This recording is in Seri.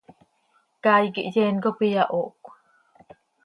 Caay quih yeen cop iyahoohcö.